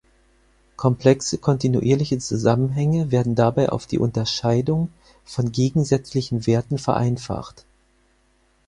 Komplexe kontinuierliche Zusammenhänge werden dabei auf die Unterscheidung von gegensätzlichen Werten vereinfacht.